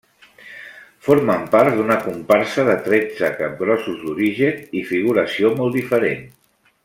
Formen part d’una comparsa de tretze capgrossos d'origen i figuració molt diferent.